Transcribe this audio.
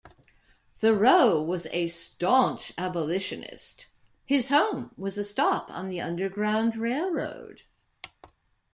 Thoreau was a staunch abolitionist; his home was a stop on the Underground Railroad.